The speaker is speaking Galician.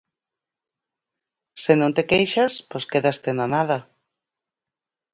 Se non te queixas, pois quédaste na nada.